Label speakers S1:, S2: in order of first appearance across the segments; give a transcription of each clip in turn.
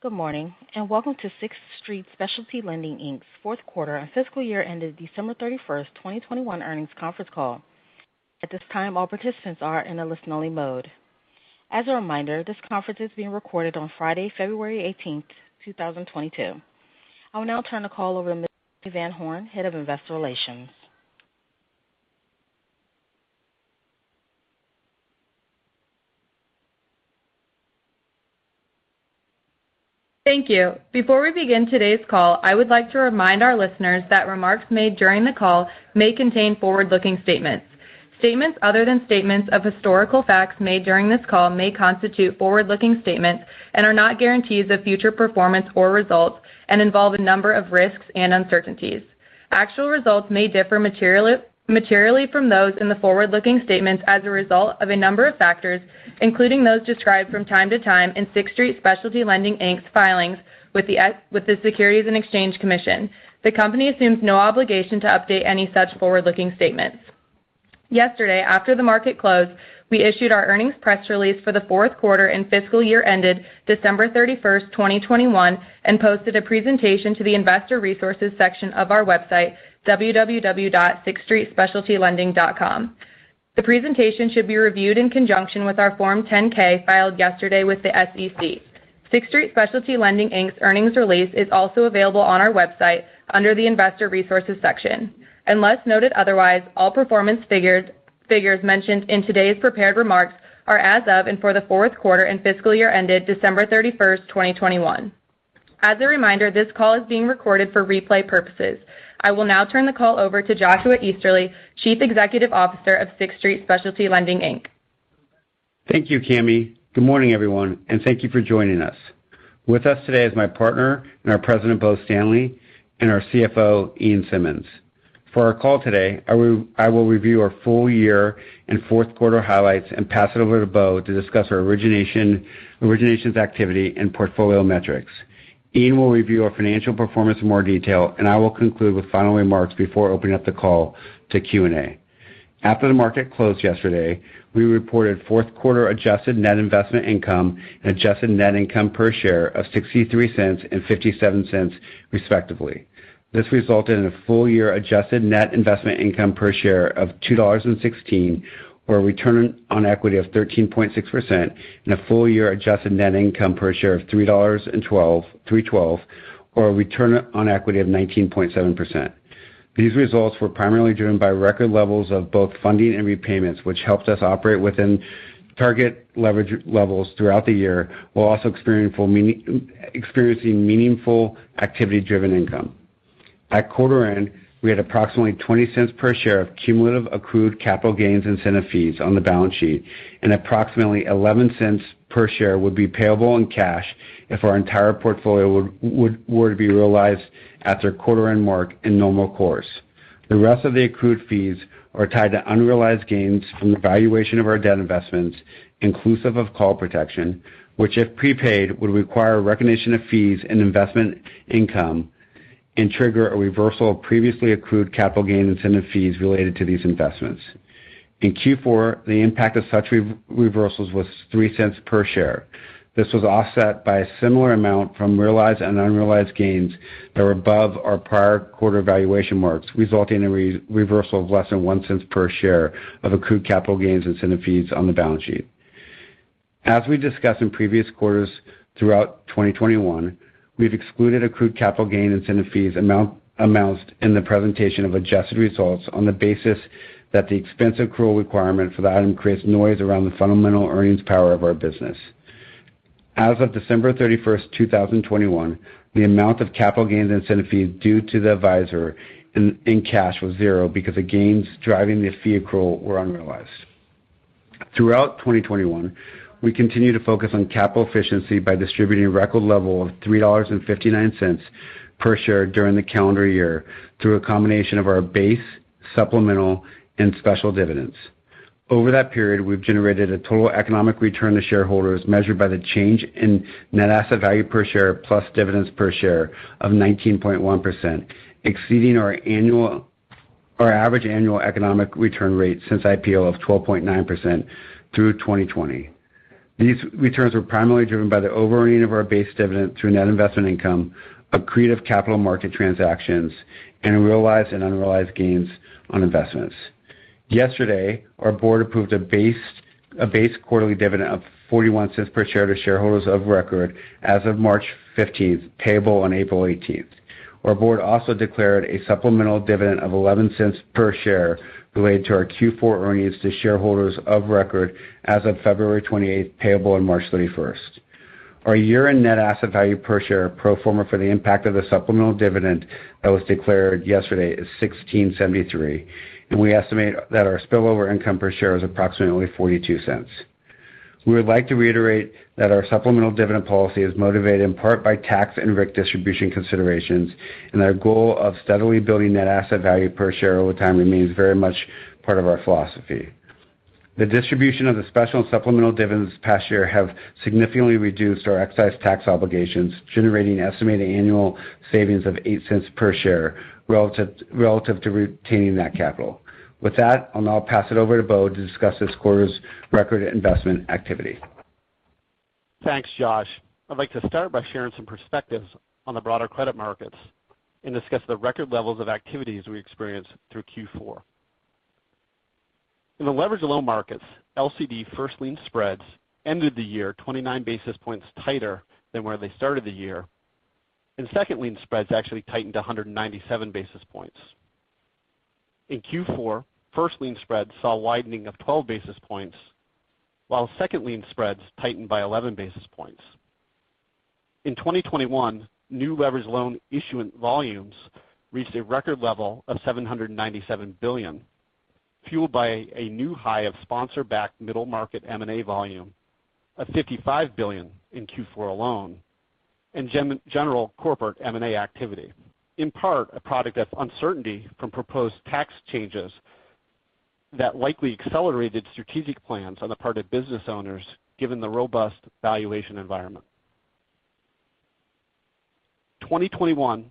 S1: Good morning, and welcome to Sixth Street Specialty Lending, Inc.'s fourth quarter and fiscal year ended December 31st, 2021 earnings conference call. At this time, all participants are in a listen-only mode. As a reminder, this conference is being recorded on Friday, February 18th, 2022. I will now turn the call over to Ms. Cami VanHorn, Head of Investor Relations.
S2: Thank you. Before we begin today's call, I would like to remind our listeners that remarks made during the call may contain forward-looking statements. Statements other than statements of historical facts made during this call may constitute forward-looking statements and are not guarantees of future performance or results and involve a number of risks and uncertainties. Actual results may differ materially from those in the forward-looking statements as a result of a number of factors, including those described from time to time in Sixth Street Specialty Lending, Inc.'s filings with the Securities and Exchange Commission. The company assumes no obligation to update any such forward-looking statements. Yesterday, after the market closed, we issued our earnings press release for the fourth quarter and fiscal year ended December 31st, 2021, and posted a presentation to the investor resources section of our website, www.sixthstreetspecialtylending.com. The presentation should be reviewed in conjunction with our Form 10-K filed yesterday with the SEC. Sixth Street Specialty Lending, Inc.'s earnings release is also available on our website under the Investor Resources section. Unless noted otherwise, all performance figures mentioned in today's prepared remarks are as of and for the fourth quarter and fiscal year ended December 31st, 2021. As a reminder, this call is being recorded for replay purposes. I will now turn the call over to Joshua Easterly, Chief Executive Officer of Sixth Street Specialty Lending, Inc.
S3: Thank you, Cami. Good morning, everyone, and thank you for joining us. With us today is my partner and our President, Bo Stanley, and our CFO, Ian Simmonds. For our call today, I will review our full year and fourth quarter highlights and pass it over to Bo to discuss our originations activity and portfolio metrics. Ian will review our financial performance in more detail, and I will conclude with final remarks before opening up the call to Q&A. After the market closed yesterday, we reported fourth quarter adjusted net investment income and adjusted net income per share of $0.63 and $0.57, respectively. This resulted in a full-year adjusted net investment income per share of $2.16, or a return on equity of 13.6% and a full-year adjusted net income per share of $3.12 or a return on equity of 19.7%. These results were primarily driven by record levels of both funding and repayments, which helped us operate within target leverage levels throughout the year, while also experiencing meaningful activity driven income. At quarter end, we had approximately $0.20 per share of cumulative accrued capital gains incentive fees on the balance sheet, and approximately $0.11 per share would be payable in cash if our entire portfolio would be realized at their quarter end mark in normal course. The rest of the accrued fees are tied to unrealized gains from the valuation of our debt investments, inclusive of call protection, which if prepaid, would require recognition of fees and investment income and trigger a reversal of previously accrued capital gain incentive fees related to these investments. In Q4, the impact of such reversals was $0.03 per share. This was offset by a similar amount from realized and unrealized gains that were above our prior quarter valuation marks, resulting in a reversal of less than $0.01 per share of accrued capital gains incentive fees on the balance sheet. As we discussed in previous quarters throughout 2021, we've excluded accrued capital gain incentive fees amounted in the presentation of adjusted results on the basis that the expense accrual requirement for the item creates noise around the fundamental earnings power of our business. As of December 31, 2021, the amount of capital gains incentive fees due to the advisor in cash was zero because the gains driving the fee accrual were unrealized. Throughout 2021, we continued to focus on capital efficiency by distributing a record level of $3.59 per share during the calendar year through a combination of our base, supplemental, and special dividends. Over that period, we've generated a total economic return to shareholders measured by the change in net asset value per share plus dividends per share of 19.1%, exceeding our average annual economic return rate since IPO of 12.9% through 2020. These returns were primarily driven by the overearning of our base dividend through net investment income, accretive capital market transactions, and realized and unrealized gains on investments. Yesterday, our board approved a base quarterly dividend of $0.41 per share to shareholders of record as of March 15th, payable on April 18th. Our board also declared a supplemental dividend of $0.11 per share related to our Q4 earnings to shareholders of record as of February 28th, payable on March 31st. Our year-end net asset value per share pro forma for the impact of the supplemental dividend that was declared yesterday is $16.73, and we estimate that our spillover income per share is approximately $0.42. We would like to reiterate that our supplemental dividend policy is motivated in part by tax and risk distribution considerations, and our goal of steadily building net asset value per share over time remains very much part of our philosophy. The distribution of the special and supplemental dividends this past year have significantly reduced our excise tax obligations, generating an estimated annual savings of $0.08 per share relative to retaining that capital. With that, I'll now pass it over to Bo to discuss this quarter's record investment activity.
S4: Thanks, Josh. I'd like to start by sharing some perspectives on the broader credit markets and discuss the record levels of activities we experienced through Q4. In the leveraged loan markets, LCD first lien spreads ended the year 29 basis points tighter than where they started the year, and second lien spreads actually tightened to 197 basis points. In Q4, first lien spreads saw a widening of 12 basis points, while second lien spreads tightened by 11 basis points. In 2021, new leveraged loan issuance volumes reached a record level of $797 billion, fueled by a new high of sponsor-backed middle-market M&A volume of $55 billion in Q4 alone and general corporate M&A activity. In part, a product of uncertainty from proposed tax changes that likely accelerated strategic plans on the part of business owners, given the robust valuation environment. 2021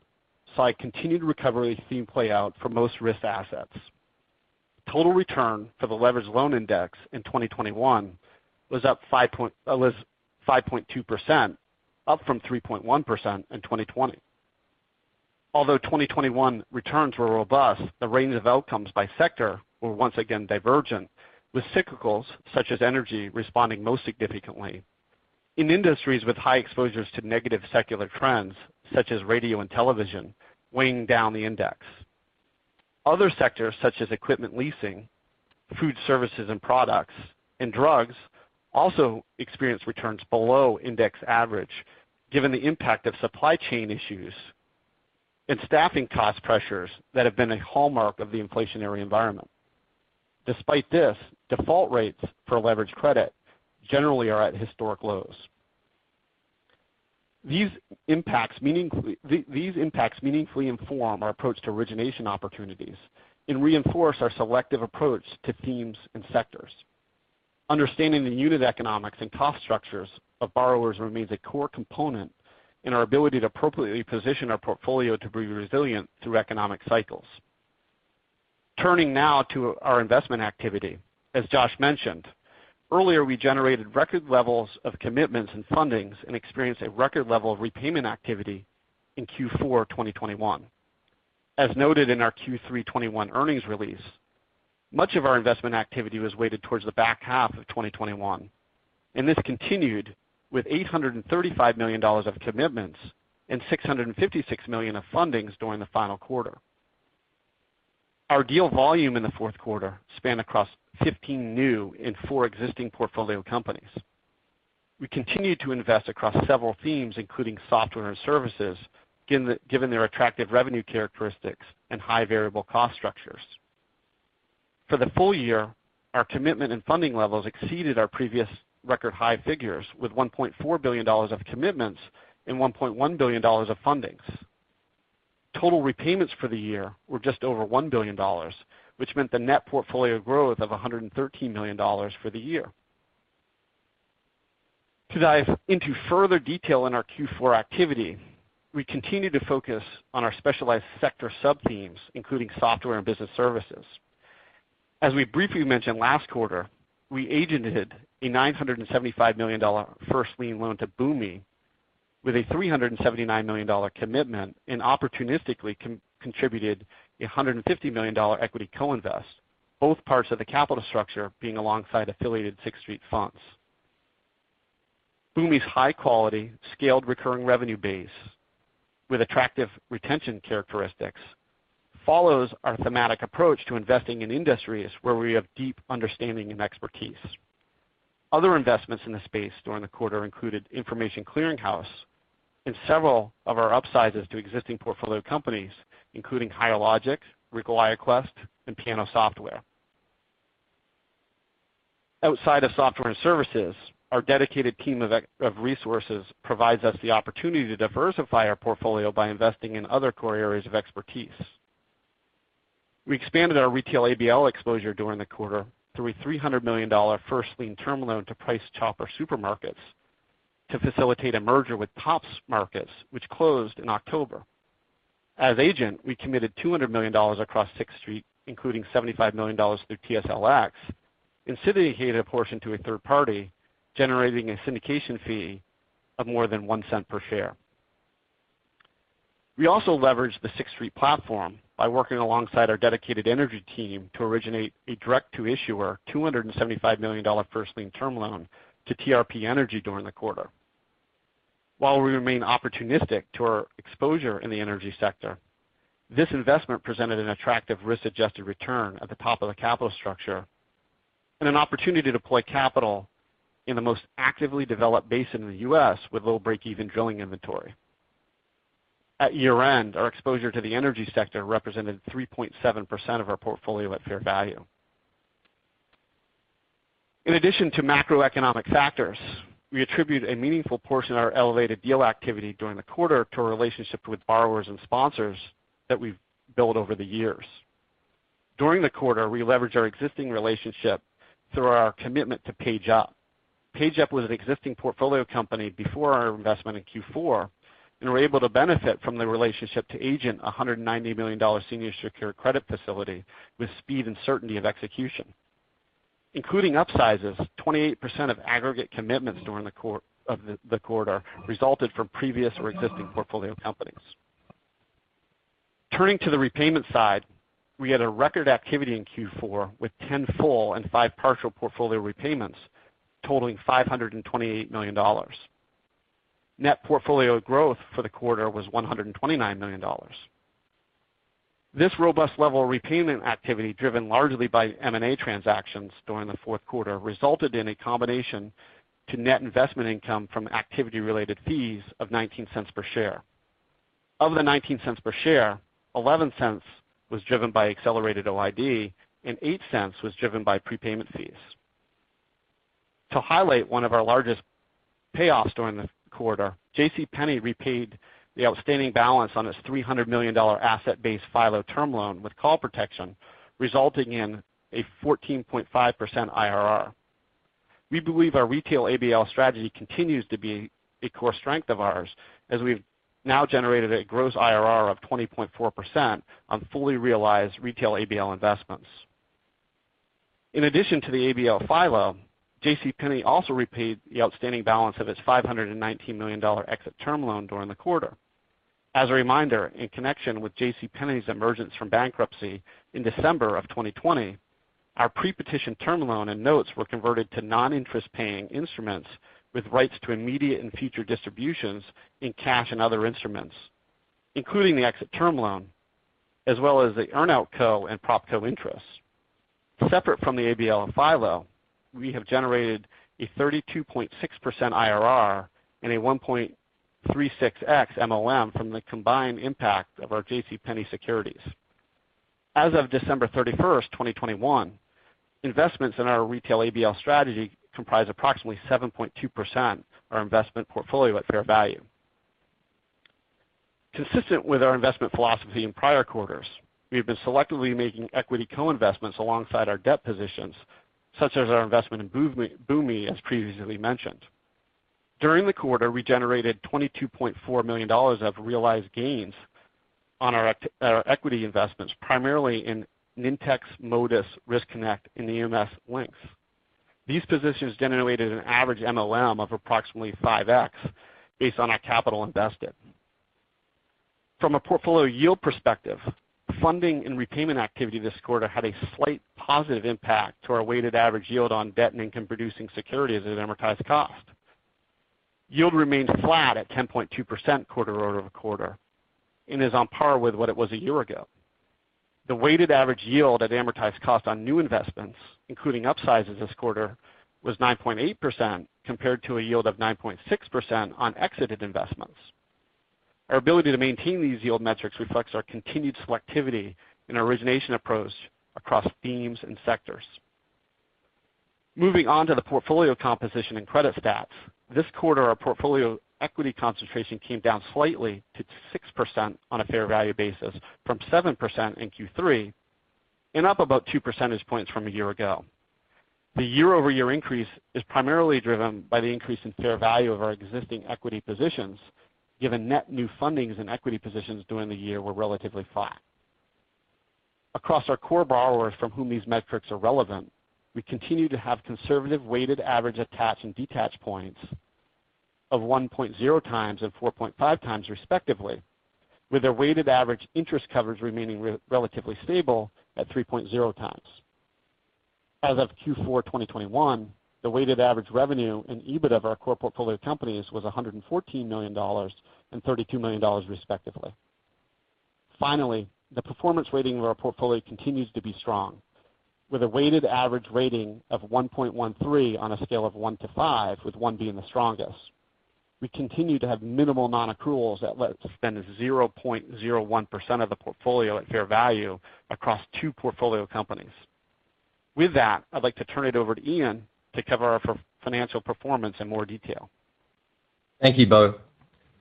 S4: saw a continued recovery theme play out for most risk assets. Total return for the leveraged loan index in 2021 was up 5.2%, up from 3.1% in 2020. Although 2021 returns were robust, the range of outcomes by sector were once again divergent, with cyclicals such as energy responding most significantly, in industries with high exposures to negative secular trends, such as radio and television, weighing down the index. Other sectors, such as equipment leasing, food services and products, and drugs, also experienced returns below index average given the impact of supply chain issues and staffing cost pressures that have been a hallmark of the inflationary environment. Despite this, default rates for leveraged credit generally are at historic lows. These impacts meaningfully inform our approach to origination opportunities and reinforce our selective approach to themes and sectors. Understanding the unit economics and cost structures of borrowers remains a core component in our ability to appropriately position our portfolio to be resilient through economic cycles. Turning now to our investment activity. As Josh mentioned earlier, we generated record levels of commitments and fundings and experienced a record level of repayment activity in Q4 2021. As noted in our Q3 2021 earnings release, much of our investment activity was weighted towards the back half of 2021, and this continued with $835 million of commitments and $656 million of fundings during the final quarter. Our deal volume in the fourth quarter spanned across 15 new and four existing portfolio companies. We continued to invest across several themes, including software and services, given their attractive revenue characteristics and high variable cost structures. For the full year, our commitment and funding levels exceeded our previous record high figures, with $1.4 billion of commitments and $1.1 billion of fundings. Total repayments for the year were just over $1 billion, which meant the net portfolio growth of $113 million for the year. To dive into further detail in our Q4 activity, we continue to focus on our specialized sector sub-themes, including software and business services. As we briefly mentioned last quarter, we agented a $975 million first lien loan to Boomi with a $379 million commitment and opportunistically contributed a $150 million equity co-invest, both parts of the capital structure being alongside affiliated Sixth Street funds. Boomi's high quality, scaled recurring revenue base with attractive retention characteristics follows our thematic approach to investing in industries where we have deep understanding and expertise. Other investments in the space during the quarter included Information Clearinghouse and several of our upsizes to existing portfolio companies, including Hyland, Regal iQuest, and Piano Software. Outside of software and services, our dedicated team of active resources provides us the opportunity to diversify our portfolio by investing in other core areas of expertise. We expanded our retail ABL exposure during the quarter through a $300 million first lien term loan to Price Chopper supermarkets to facilitate a merger with Tops Markets, which closed in October. As agent, we committed $200 million across Sixth Street, including $75 million through TSLX, and syndicated a portion to a third party, generating a syndication fee of more than $0.01 per share. We also leveraged the Sixth Street platform by working alongside our dedicated energy team to originate a direct-to-issuer $275 million first lien term loan to TRP Energy during the quarter. While we remain opportunistic to our exposure in the energy sector, this investment presented an attractive risk-adjusted return at the top of the capital structure and an opportunity to deploy capital in the most actively developed basin in the U.S. with little break-even drilling inventory. At year-end, our exposure to the energy sector represented 3.7% of our portfolio at fair value. In addition to macroeconomic factors, we attribute a meaningful portion of our elevated deal activity during the quarter to our relationship with borrowers and sponsors that we've built over the years. During the quarter, we leveraged our existing relationship through our commitment to PageUp. PageUp was an existing portfolio company before our investment in Q4, and we were able to benefit from the relationship to agent a $190 million senior secured credit facility with speed and certainty of execution. Including upsizes, 28% of aggregate commitments during the quarter resulted from previous or existing portfolio companies. Turning to the repayment side, we had a record activity in Q4 with 10 full and 5 partial portfolio repayments totaling $528 million. Net portfolio growth for the quarter was $129 million. This robust level of repayment activity, driven largely by M&A transactions during the fourth quarter, resulted in a contribution to net investment income from activity-related fees of $0.19 per share. Of the $0.19 per share, $0.11 was driven by accelerated OID and $0.08 was driven by prepayment fees. To highlight one of our largest payoffs during the quarter, JCPenney repaid the outstanding balance on its $300 million asset-based FILO term loan with call protection, resulting in a 14.5% IRR. We believe our retail ABL strategy continues to be a core strength of ours as we've now generated a gross IRR of 20.4% on fully realized retail ABL investments. In addition to the ABL FILO, JCPenney JCPenney also repaid the outstanding balance of its $519 million exit term loan during the quarter. As a reminder, in connection with JCPenney's emergence from bankruptcy in December of 2020, our pre-petition term loan and notes were converted to non-interest paying instruments with rights to immediate and future distributions in cash and other instruments, including the exit term loan, as well as the earn-out OpCo and PropCo interests. Separate from the ABL and FILO, we have generated a 32.6% IRR and a 1.36x MOIC from the combined impact of our JCPenney securities. As of December 31, 2021, investments in our retail ABL strategy comprise approximately 7.2% our investment portfolio at fair value. Consistent with our investment philosophy in prior quarters, we have been selectively making equity co-investments alongside our debt positions, such as our investment in Boomi, as previously mentioned. During the quarter, we generated $22.4 million of realized gains on our equity investments, primarily in Nintex, Modus, Riskonnect, and EMS LINQ. These positions generated an average MOIC of approximately 5x based on our capital invested. From a portfolio yield perspective, funding and repayment activity this quarter had a slight positive impact to our weighted average yield on debt and income-producing securities at amortized cost. Yield remains flat at 10.2% quarter-over-quarter and is on par with what it was a year ago. The weighted average yield at amortized cost on new investments, including upsizes this quarter, was 9.8% compared to a yield of 9.6% on exited investments. Our ability to maintain these yield metrics reflects our continued selectivity in our origination approach across themes and sectors. Moving on to the portfolio composition and credit stats. This quarter, our portfolio equity concentration came down slightly to 6% on a fair value basis from 7% in Q3 and up about two percentage points from a year ago. The year-over-year increase is primarily driven by the increase in fair value of our existing equity positions, given net new fundings and equity positions during the year were relatively flat. Across our core borrowers from whom these metrics are relevant, we continue to have conservative weighted average attach and detach points of 1.0x and 4.5x, respectively, with their weighted average interest coverage remaining relatively stable at 3.0x. As of Q4 2021, the weighted average revenue and EBIT of our core portfolio of companies was $114 million and $32 million, respectively. Finally, the performance rating of our portfolio continues to be strong, with a weighted average rating of 1.13 on a scale of 1-5, with 1 being the strongest. We continue to have minimal non-accruals representing 0.01% of the portfolio at fair value across two portfolio companies. With that, I'd like to turn it over to Ian to cover our financial performance in more detail.
S5: Thank you, Bo.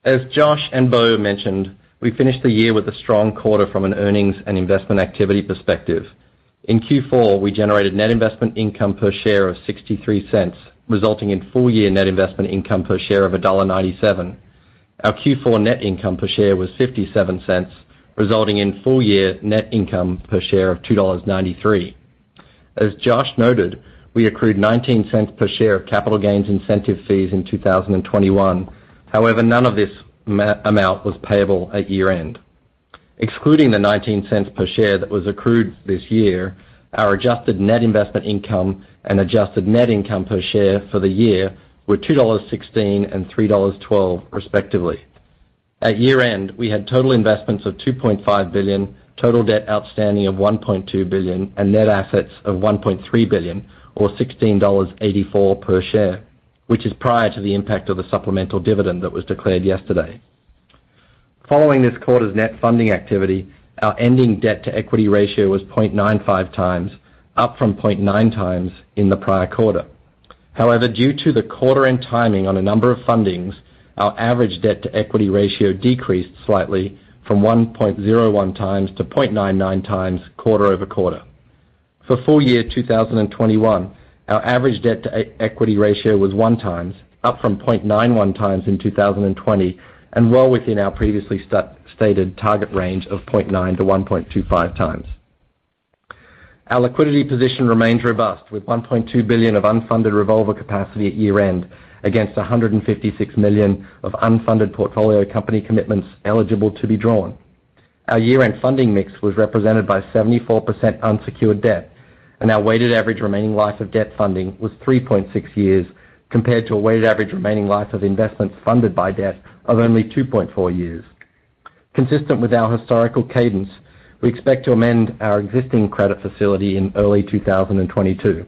S5: As Josh and Bo mentioned, we finished the year with a strong quarter from an earnings and investment activity perspective. In Q4, we generated net investment income per share of $0.63, resulting in full year net investment income per share of $1.97. Our Q4 net income per share was $0.57, resulting in full year net income per share of $2.93. As Josh noted, we accrued $0.19 per share of capital gains incentive fees in 2021. However, none of this amount was payable at year-end. Excluding the $0.19 per share that was accrued this year, our adjusted net investment income and adjusted net income per share for the year were $2.16 and $3.12, respectively. At year-end, we had total investments of $2.5 billion, total debt outstanding of $1.2 billion, and net assets of $1.3 billion or $16.84 per share, which is prior to the impact of the supplemental dividend that was declared yesterday. Following this quarter's net funding activity, our ending debt-to-equity ratio was 0.95 times, up from 0.9 times in the prior quarter. However, due to the quarter and timing on a number of fundings, our average debt-to-equity ratio decreased slightly from 1.01x-0.99x quarter-over-quarter. For full year 2021, our average debt-to-equity ratio was 1x, up from 0.91x in 2020 and well within our previously stated target range of 0.9x-1.25x. Our liquidity position remains robust with $1.2 billion of unfunded revolver capacity at year-end against $156 million of unfunded portfolio company commitments eligible to be drawn. Our year-end funding mix was represented by 74% unsecured debt, and our weighted average remaining life of debt funding was 3.6 years compared to a weighted average remaining life of investments funded by debt of only 2.4 years. Consistent with our historical cadence, we expect to amend our existing credit facility in early 2022.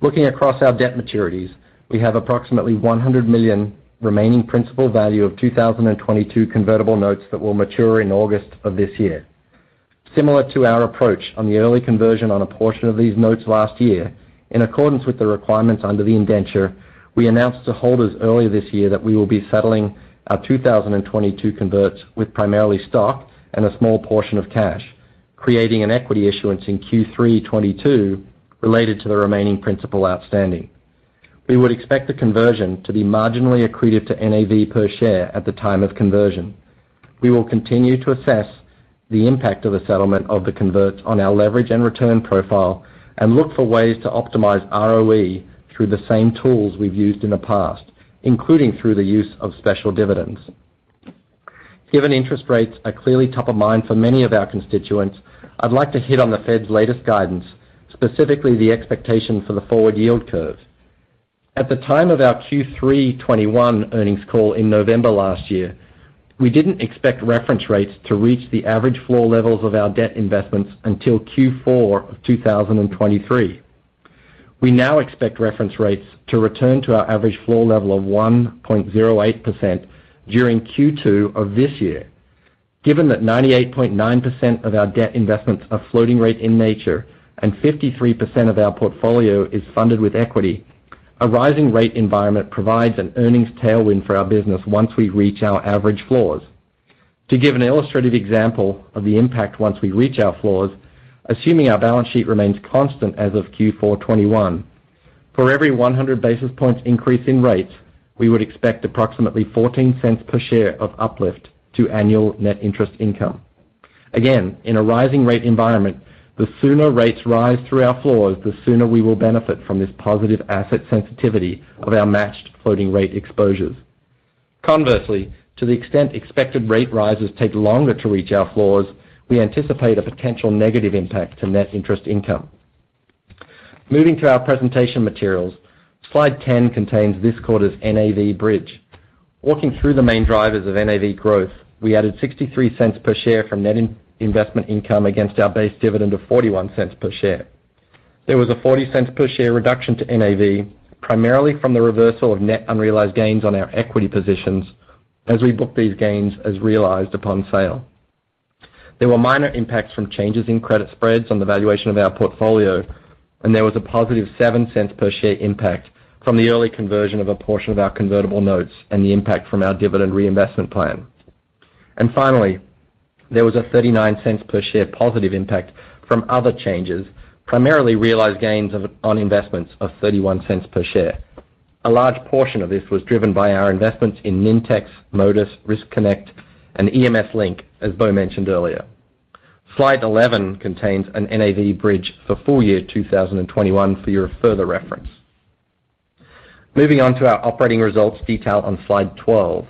S5: Looking across our debt maturities, we have approximately $100 million remaining principal value of 2022 convertible notes that will mature in August of this year. Similar to our approach on the early conversion on a portion of these notes last year, in accordance with the requirements under the indenture, we announced to holders earlier this year that we will be settling our 2022 converts with primarily stock and a small portion of cash, creating an equity issuance in Q3 2022 related to the remaining principal outstanding. We would expect the conversion to be marginally accretive to NAV per share at the time of conversion. We will continue to assess the impact of a settlement of the converts on our leverage and return profile and look for ways to optimize ROE through the same tools we've used in the past, including through the use of special dividends. Given interest rates are clearly top of mind for many of our constituents, I'd like to hit on the Fed's latest guidance, specifically the expectation for the forward yield curve. At the time of our Q3 2021 earnings call in November last year, we didn't expect reference rates to reach the average floor levels of our debt investments until Q4 of 2023. We now expect reference rates to return to our average floor level of 1.08% during Q2 of this year. Given that 98.9% of our debt investments are floating rate in nature and 53% of our portfolio is funded with equity, a rising rate environment provides an earnings tailwind for our business once we reach our average floors. To give an illustrative example of the impact once we reach our floors, assuming our balance sheet remains constant as of Q4 2021, for every 100 basis points increase in rates, we would expect approximately $0.14 per share of uplift to annual net interest income. Again, in a rising rate environment, the sooner rates rise through our floors, the sooner we will benefit from this positive asset sensitivity of our matched floating rate exposures. Conversely, to the extent expected rate rises take longer to reach our floors, we anticipate a potential negative impact to net interest income. Moving to our presentation materials. Slide 10 contains this quarter's NAV bridge. Walking through the main drivers of NAV growth, we added $0.63 per share from net investment income against our base dividend of $0.41 per share. There was a $0.40 per share reduction to NAV, primarily from the reversal of net unrealized gains on our equity positions as we book these gains as realized upon sale. There were minor impacts from changes in credit spreads on the valuation of our portfolio, and there was a positive $0.07 per share impact from the early conversion of a portion of our convertible notes and the impact from our dividend reinvestment plan. Finally, there was a $0.39 per share positive impact from other changes, primarily realized gains on investments of $0.31 per share. A large portion of this was driven by our investments in Nintex, Modus, Riskonnect, and EMS LINQ, as Bo mentioned earlier. Slide 11 contains an NAV bridge for full year 2021 for your further reference. Moving on to our operating results detailed on slide 12.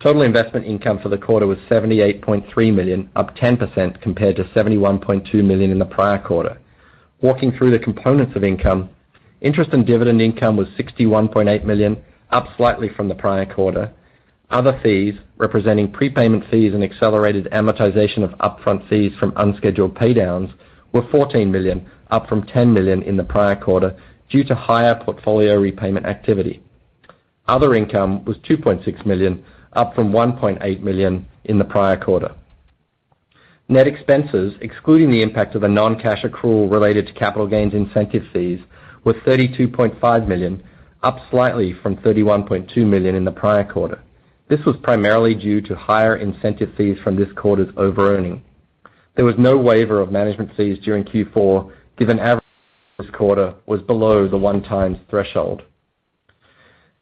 S5: Total investment income for the quarter was $78.3 million, up 10% compared to $71.2 million in the prior quarter. Walking through the components of income, interest and dividend income was $61.8 million, up slightly from the prior quarter. Other fees, representing prepayment fees and accelerated amortization of upfront fees from unscheduled pay downs, were $14 million, up from $10 million in the prior quarter due to higher portfolio repayment activity. Other income was $2.6 million, up from $1.8 million in the prior quarter. Net expenses, excluding the impact of a non-cash accrual related to capital gains incentive fees, was $32.5 million, up slightly from $31.2 million in the prior quarter. This was primarily due to higher incentive fees from this quarter's overearning. There was no waiver of management fees during Q4, given average this quarter was below the 1x threshold.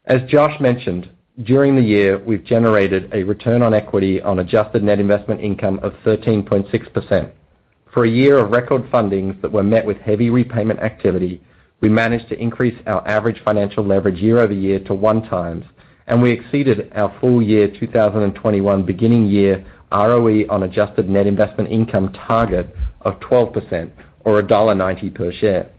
S5: As Josh mentioned, during the year, we've generated a return on equity on adjusted net investment income of 13.6%. For a year of record fundings that were met with heavy repayment activity, we managed to increase our average financial leverage year-over-year to 1x, and we exceeded our full-year 2021 beginning-year ROE on adjusted net investment income target of 12% or $1.90 per share.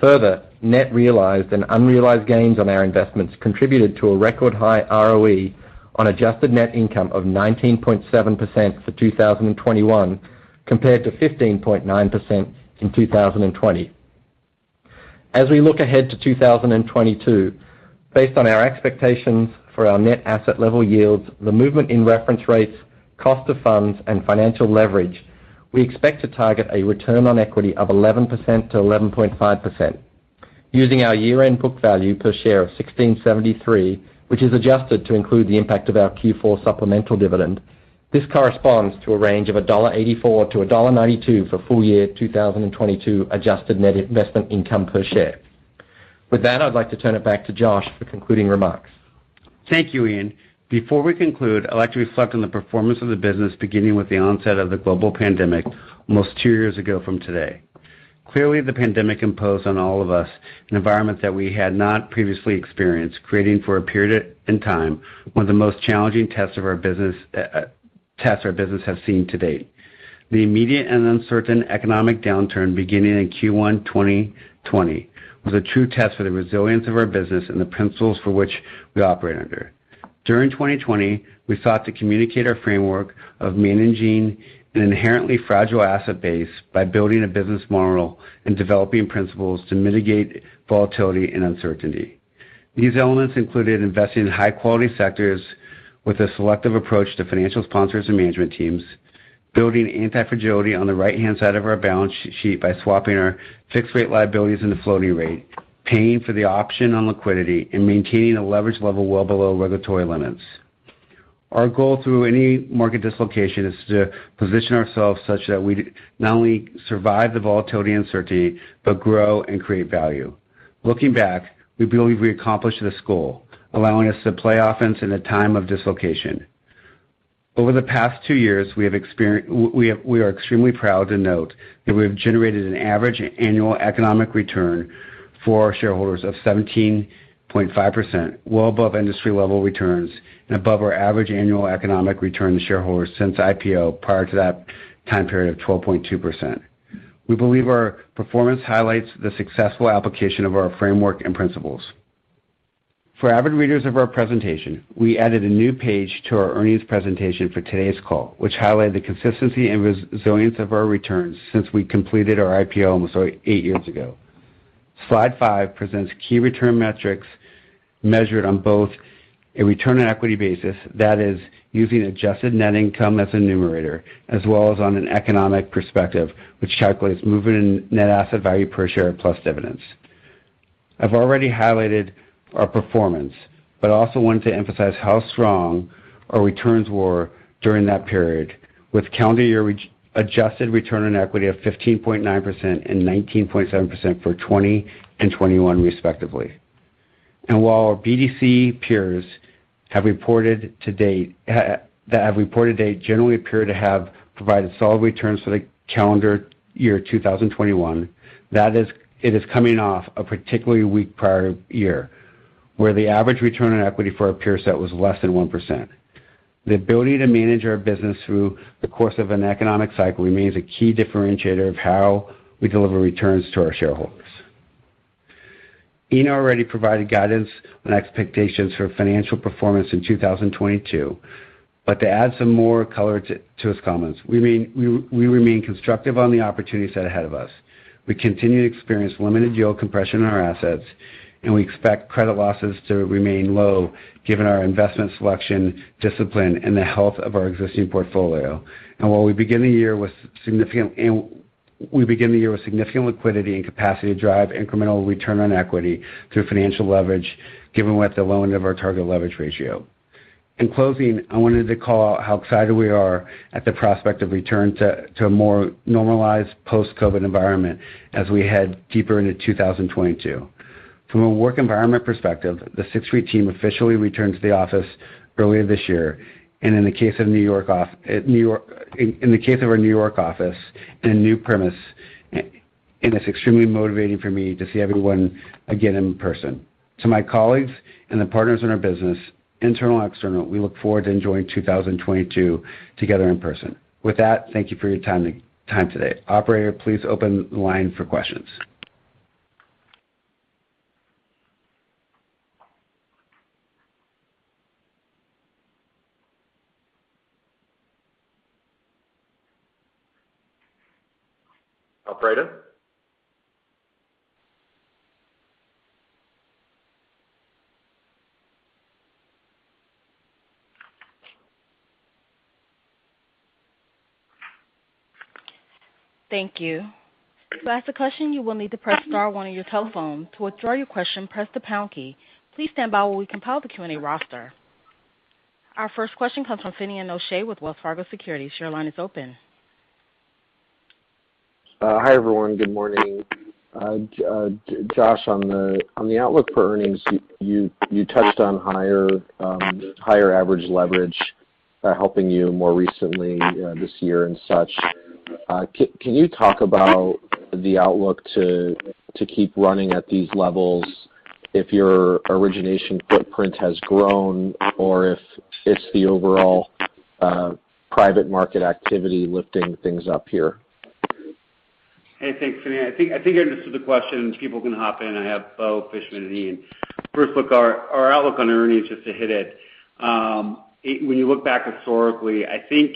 S5: Further, net realized and unrealized gains on our investments contributed to a record high ROE on adjusted net income of 19.7% for 2021, compared to 15.9% in 2020. As we look ahead to 2022, based on our expectations for our net asset level yields, the movement in reference rates, cost of funds, and financial leverage, we expect to target a return on equity of 11%-11.5%. Using our year-end book value per share of $16.73, which is adjusted to include the impact of our Q4 supplemental dividend, this corresponds to a range of $1.84-$1.92 for full year 2022 adjusted net investment income per share. With that, I'd like to turn it back to Josh for concluding remarks.
S3: Thank you, Ian. Before we conclude, I'd like to reflect on the performance of the business, beginning with the onset of the global pandemic almost two years ago from today. Clearly, the pandemic imposed on all of us an environment that we had not previously experienced, creating for a period in time one of the most challenging tests of our business has seen to date. The immediate and uncertain economic downturn beginning in Q1 2020 was a true test for the resilience of our business and the principles for which we operate under. During 2020, we sought to communicate our framework of managing an inherently fragile asset base by building a business model and developing principles to mitigate volatility and uncertainty. These elements included investing in high-quality sectors with a selective approach to financial sponsors and management teams, building anti-fragility on the right-hand side of our balance sheet by swapping our fixed rate liabilities into floating rate, paying for the option on liquidity, and maintaining a leverage level well below regulatory limits. Our goal through any market dislocation is to position ourselves such that we not only survive the volatility and uncertainty, but grow and create value. Looking back, we believe we accomplished this goal, allowing us to play offense in a time of dislocation. Over the past two years, we are extremely proud to note that we have generated an average annual economic return for our shareholders of 17.5%, well above industry level returns and above our average annual economic return to shareholders since IPO prior to that time period of 12.2%. We believe our performance highlights the successful application of our framework and principles. For avid readers of our presentation, we added a new page to our earnings presentation for today's call, which highlighted the consistency and resilience of our returns since we completed our IPO almost eight years ago. Slide 5 presents key return metrics measured on both a return on equity basis, that is using adjusted net income as a numerator, as well as on an economic perspective, which calculates movement in net asset value per share plus dividends. I've already highlighted our performance, but I also wanted to emphasize how strong our returns were during that period, with calendar year adjusted return on equity of 15.9% and 19.7% for 2020 and 2021, respectively. While our BDC peers that have reported to date generally appear to have provided solid returns for the calendar year 2021, that is, it is coming off a particularly weak prior year, where the average return on equity for our peer set was less than 1%. The ability to manage our business through the course of an economic cycle remains a key differentiator of how we deliver returns to our shareholders. Ian already provided guidance on expectations for financial performance in 2022, but to add some more color to his comments. We remain constructive on the opportunities that are ahead of us. We continue to experience limited yield compression in our assets, and we expect credit losses to remain low, given our investment selection, discipline, and the health of our existing portfolio, while we begin the year with significant liquidity and capacity to drive incremental return on equity through financial leverage, given we're at the low end of our target leverage ratio. In closing, I wanted to call out how excited we are at the prospect of return to a more normalized post-COVID environment as we head deeper into 2022. From a work environment perspective, the Sixth Street team officially returned to the office earlier this year. In the case of our New York office, in a new premises, and it's extremely motivating for me to see everyone again in person. To my colleagues and the partners in our business, internal and external, we look forward to enjoying 2022 together in person. With that, thank you for your time today. Operator, please open the line for questions. Operator?
S1: Thank you. To ask a question, you will need to press star one on your telephone. To withdraw your question, press the pound key. Please stand by while we compile the Q&A roster. Our first question comes from Finian O'Shea with Wells Fargo Securities. Your line is open.
S6: Hi, everyone. Good morning. Josh, on the outlook for earnings, you touched on higher average leverage helping you more recently this year and such. Can you talk about the outlook to keep running at these levels if your origination footprint has grown or if it's the overall private market activity lifting things up here?
S3: Hey, thanks, Finian. I think I understood the question. People can hop in. I have Bo, Fishman and Ian. First, our outlook on earnings, just to hit it. When you look back historically, I think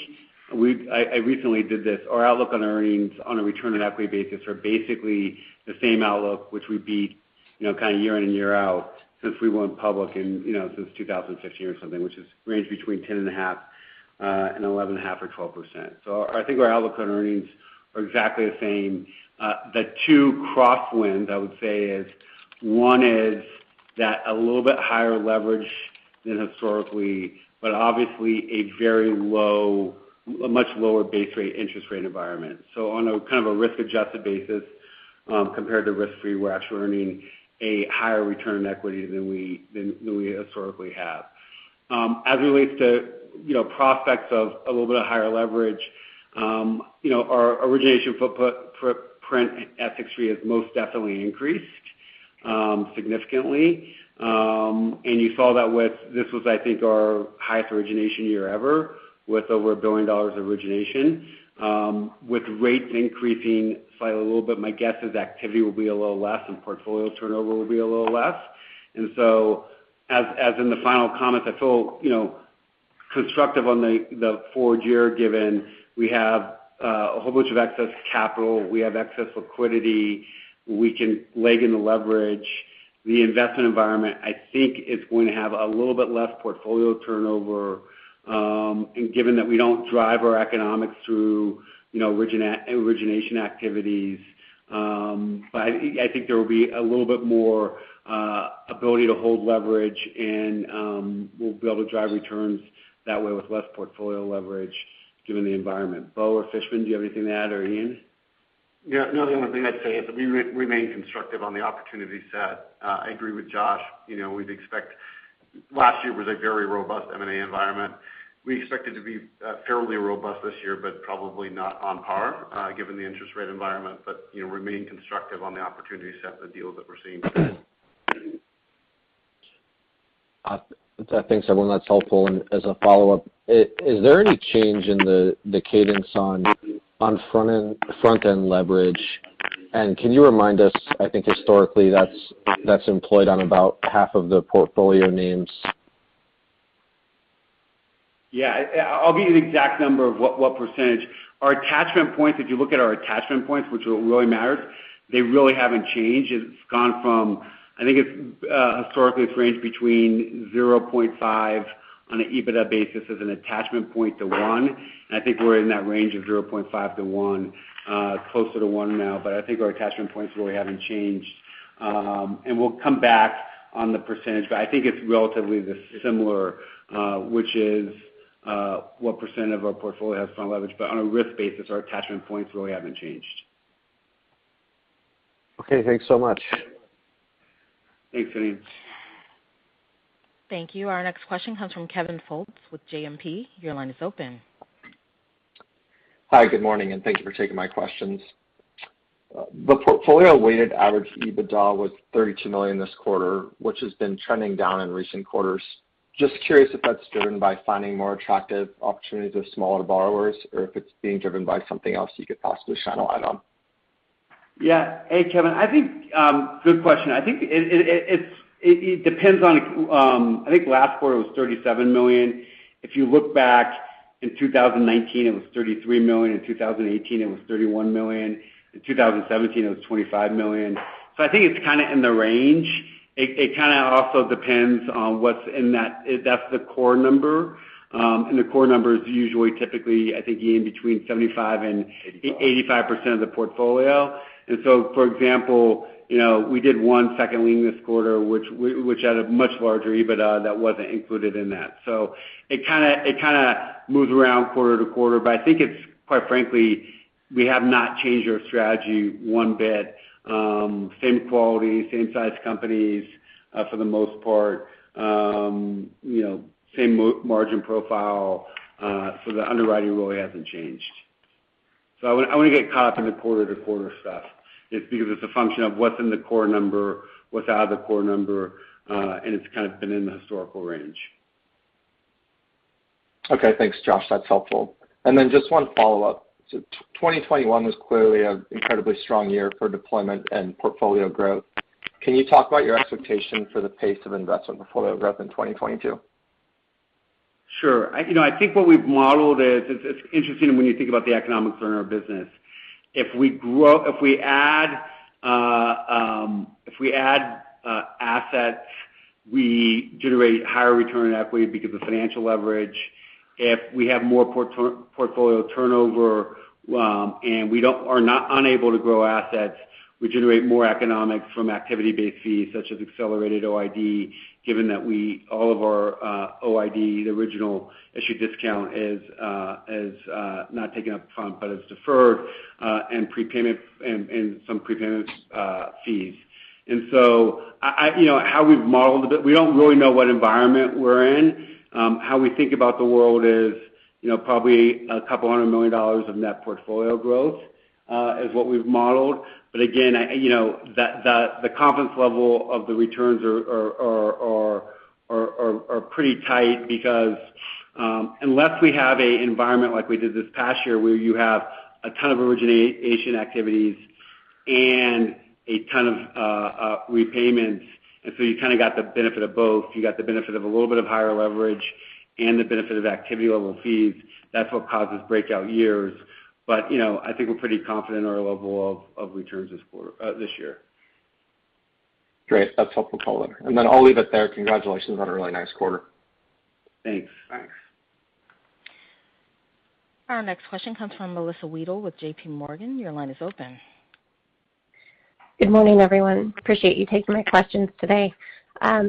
S3: I recently did this. Our outlook on earnings on a return on equity basis are basically the same outlook which we beat, you know, kind of year in and year out since we went public in, you know, since 2015 or something, which has ranged between 10.5% and 11.5% or 12%. So I think our outlook on earnings are exactly the same. The two crosswinds I would say is, one is that a little bit higher leverage than historically, but obviously a very low, a much lower base rate interest rate environment. On a kind of a risk-adjusted basis, compared to risk-free, we're actually earning a higher return on equity than we historically have. As it relates to, you know, prospects of a little bit higher leverage, you know, our origination footprint at Sixth Street has most definitely increased significantly. And you saw that with this. This was I think our highest origination year ever with over $1 billion of origination. With rates increasing slightly a little bit, my guess is activity will be a little less and portfolio turnover will be a little less. In the final comments, I feel, you know, constructive on the forward year given we have a whole bunch of excess capital, we have excess liquidity, we can leg in the leverage. The investment environment, I think, is going to have a little bit less portfolio turnover, and given that we don't drive our economics through, you know, origination activities, but I think there will be a little bit more ability to hold leverage and, we'll be able to drive returns that way with less portfolio leverage given the environment. Bo or Fishman, do you have anything to add, or Ian?
S4: Yeah. No, the only thing I'd say is that we remain constructive on the opportunity set. I agree with Josh. You know, we'd expect last year was a very robust M&A environment. We expect it to be fairly robust this year, but probably not on par, given the interest rate environment. You know, remain constructive on the opportunity set of the deals that we're seeing today.
S6: Thanks, everyone. That's helpful. As a follow-up, is there any change in the cadence on front-end leverage? Can you remind us, I think historically that's employed on about half of the portfolio names.
S3: Yeah. I'll give you the exact number of what percentage. Our attachment points, if you look at our attachment points, which really matters, they really haven't changed. I think historically it's ranged between 0.5 on an EBITDA basis as an attachment point to 1, and I think we're in that range of 0.5-1, closer to 1 now. I think our attachment points really haven't changed. We'll come back on the percentage, I think it's relatively the similar, which is what % of our portfolio has front leverage. On a risk basis, our attachment points really haven't changed.
S6: Okay, thanks so much.
S3: Thanks, Finian.
S1: Thank you. Our next question comes from Kevin Fultz with JMP. Your line is open.
S7: Hi, good morning, and thank you for taking my questions. The portfolio weighted average EBITDA was $32 million this quarter, which has been trending down in recent quarters. Just curious if that's driven by finding more attractive opportunities with smaller borrowers or if it's being driven by something else you could possibly shine a light on.
S3: Yeah. Hey, Kevin. I think. Good question. I think it depends on. I think last quarter was $37 million. If you look back, in 2019 it was $33 million, in 2018 it was $31 million, in 2017 it was $25 million. So I think it's kinda in the range. It kinda also depends on what's in that. If that's the core number. The core number is usually typically, I think, in between 75%-85% of the portfolio. For example, you know, we did one second lien this quarter which had a much larger EBITDA that wasn't included in that. So it kinda moves around quarter to quarter, but I think it's quite frankly we have not changed our strategy one bit. Same quality, same size companies, for the most part. You know, same margin profile, so the underwriting really hasn't changed. I wouldn't get caught up in the quarter-to-quarter stuff. It's because it's a function of what's in the core number, what's out of the core number, and it's kind of been in the historical range.
S7: Okay, thanks, Josh. That's helpful. Then just one follow-up. 2021 was clearly an incredibly strong year for deployment and portfolio growth. Can you talk about your expectation for the pace of investment portfolio growth in 2022?
S3: Sure. You know, I think what we've modeled is, it's interesting when you think about the economics around our business. If we add assets, we generate higher return on equity because of financial leverage. If we have more portfolio turnover, and we are not unable to grow assets, we generate more economics from activity-based fees such as accelerated OID, given that all of our OID, the original issue discount is not taken up front but is deferred, and prepayment and some prepayment fees. You know, how we've modeled it, we don't really know what environment we're in. How we think about the world is, you know, probably $200 million of net portfolio growth is what we've modeled. Again, you know, the confidence level of the returns are pretty tight because unless we have an environment like we did this past year where you have a ton of origination activities and a ton of repayments, and so you kinda got the benefit of both, you got the benefit of a little bit of higher leverage and the benefit of activity level fees, that's what causes breakout years. You know, I think we're pretty confident in our level of returns this quarter, this year.
S7: Great. That's helpful color. I'll leave it there. Congratulations on a really nice quarter.
S3: Thanks.
S1: Our next question comes from Melissa Wedel with JPMorgan. Your line is open.
S8: Good morning, everyone. Appreciate you taking my questions today.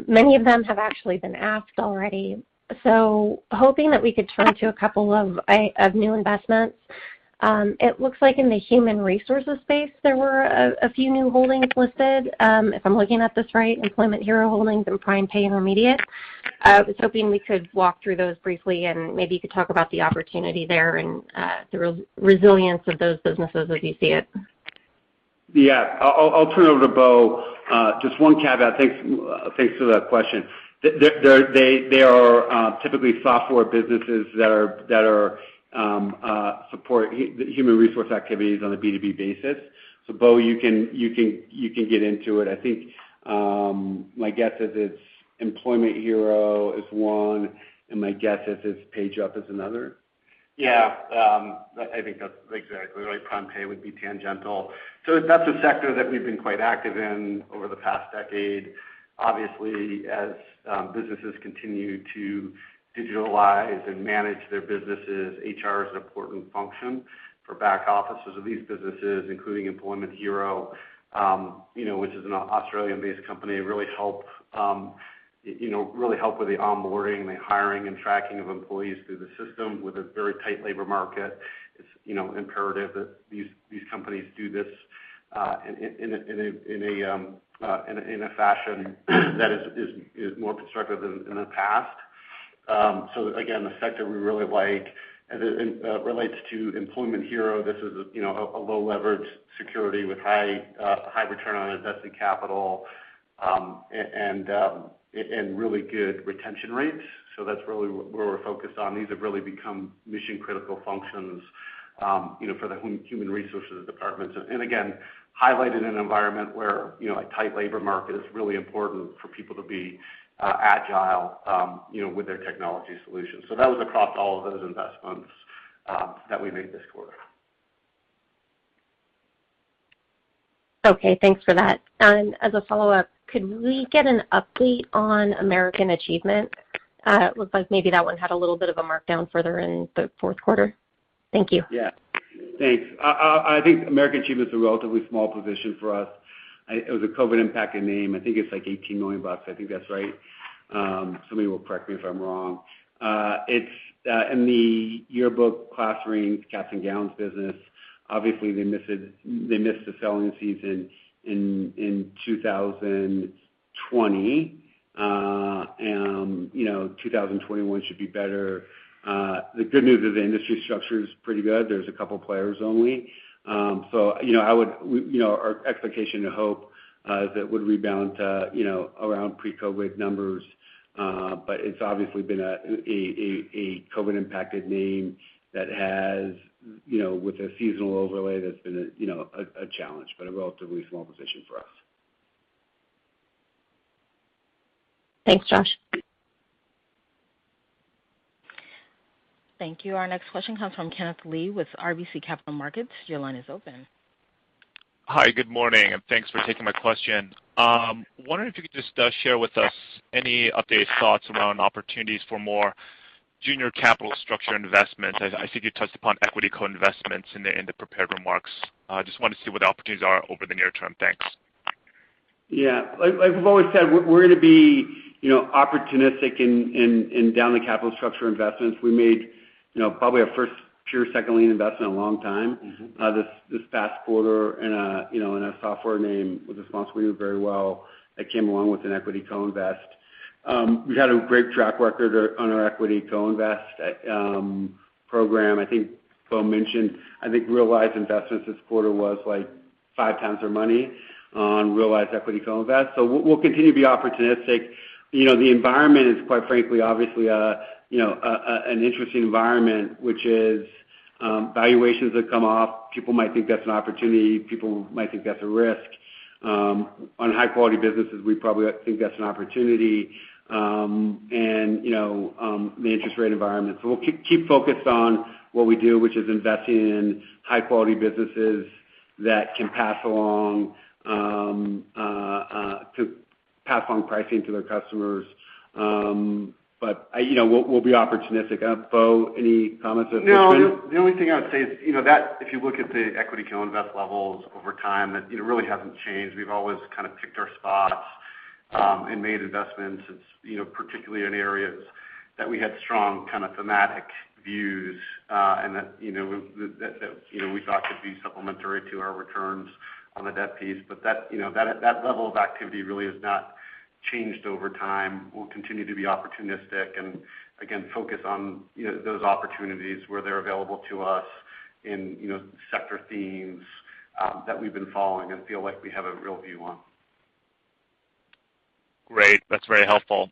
S8: Many of them have actually been asked already, so hoping that we could turn to a couple of new investments. It looks like in the human resources space, there were a few new holdings listed. If I'm looking at this right, Employment Hero Holdings and PrimePay and Remedi8. I was hoping we could walk through those briefly, and maybe you could talk about the opportunity there and the resilience of those businesses as you see it.
S3: Yeah. I'll turn it over to Bo. Just one caveat. Thanks for that question. They're typically software businesses that support the human resource activities on a B2B basis. Bo, you can get into it. I think my guess is it's Employment Hero is one, and my guess is PageUp is another.
S4: Yeah. I think that's exactly right. PrimePay would be tangential. That's a sector that we've been quite active in over the past decade. Obviously, as businesses continue to digitalize and manage their businesses, HR is an important function for back offices of these businesses, including Employment Hero, you know, which is an Australian-based company, you know, really help with the onboarding, the hiring, and tracking of employees through the system. With a very tight labor market, it's, you know, imperative that these companies do this in a fashion that is more constructive than in the past. Again, a sector we really like. As it relates to Employment Hero, this is, you know, a low-leveraged security with high return on invested capital, and really good retention rates. That's really where we're focused on. These have really become mission-critical functions, you know, for the human resources departments. Again, highlighted in an environment where, you know, a tight labor market is really important for people to be agile, you know, with their technology solutions. That was across all of those investments that we made this quarter.
S8: Okay. Thanks for that. As a follow-up, could we get an update on American Achievement? It looks like maybe that one had a little bit of a markdown further in the fourth quarter. Thank you.
S3: Yeah. Thanks. I think American Achievement is a relatively small position for us. It was a COVID-impacted name. I think it's like $18 million. I think that's right. Somebody will correct me if I'm wrong. It's in the yearbook class rings, caps and gowns business. Obviously, they missed the selling season in 2020. And you know, 2021 should be better. The good news is the industry structure is pretty good. There's a couple players only. You know, our expectation and hope is it would rebound to you know, around pre-COVID numbers. But it's obviously been a COVID-impacted name that has you know, with a seasonal overlay, that's been a challenge, but a relatively small position for us.
S8: Thanks, Josh.
S1: Thank you. Our next question comes from Kenneth Lee with RBC Capital Markets. Your line is open.
S9: Hi, good morning, and thanks for taking my question. Wondering if you could just share with us any updated thoughts around opportunities for more junior capital structure investments. I think you touched upon equity co-investments in the prepared remarks. Just wanted to see what the opportunities are over the near term. Thanks.
S3: Yeah. Like we've always said, we're gonna be, you know, opportunistic in down the capital structure investments. We made, you know, probably our first pure second lien investment in a long time, this past quarter in a software name which I'm very familiar with that came along with an equity co-invest. We had a great track record on our equity co-invest program. I think Bo mentioned realized investments this quarter was, like, five times our money on realized equity co-invest. We'll continue to be opportunistic. You know, the environment is, quite frankly, obviously an interesting environment, which is valuations that come off. People might think that's an opportunity. People might think that's a risk. On high-quality businesses, we probably think that's an opportunity. You know, the interest rate environment. We'll keep focused on what we do, which is investing in high-quality businesses that can pass along pricing to their customers. You know, we'll be opportunistic. Bo, any comments or opinions?
S4: No, the only thing I would say is, you know, that if you look at the equity co-invest levels over time, that, you know, really hasn't changed. We've always kind of picked our spots, and made investments. It's, you know, particularly in areas that we had strong kind of thematic views, and that, you know, that we thought could be supplementary to our returns on the debt piece. But that, you know, that level of activity really has not changed over time. We'll continue to be opportunistic and again, focus on, you know, those opportunities where they're available to us in, you know, sector themes that we've been following and feel like we have a real view on.
S9: Great. That's very helpful.